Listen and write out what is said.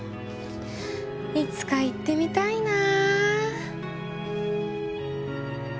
いつか行ってみたいなあ。